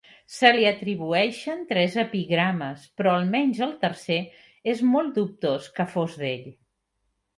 Se li atribueixen tres epigrames, però almenys el tercer és molt dubtós que fos d'ell.